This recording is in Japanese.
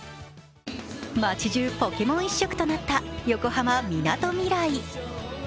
街じゅうポケモン一色となった横浜・みなとみらい。